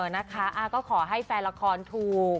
นะคะก็ขอให้แฟนละครถูก